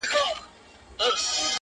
مینه که وي جرم قاسم یار یې پرستش کوي،